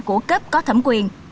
của cấp có thẩm quyền